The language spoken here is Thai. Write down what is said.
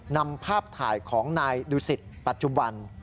นำภาพถ่ายของนายดูสิตปัจจุบัน